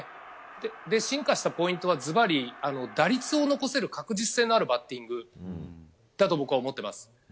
進化したポイントは、ズバリ打率を残せる確実性のあるバッティングだと僕は思っています。